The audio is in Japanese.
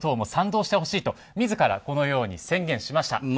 野党も賛同してほしいと自らこのように宣言しました。